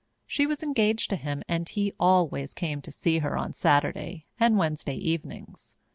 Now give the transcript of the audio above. She was engaged to him, and he always came to see her on Saturday and Wednesday evenings.